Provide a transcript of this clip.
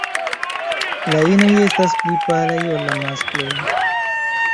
La inoj estas pli palaj ol la maskloj.